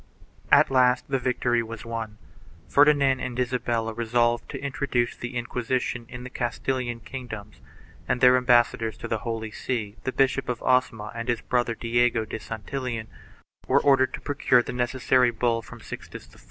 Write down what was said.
2 At last the victory was won. Ferdinand and Isabella resolved to introduce the Inqui sition in the Castilian kingdoms and their ambassadors to the Holy See, the Bishop of Osma and his brother Diego de Santillan, were ordered to procure the necessary bull from Sixtus IV.